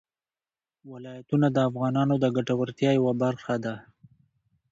ولایتونه د افغانانو د ګټورتیا یوه برخه ده.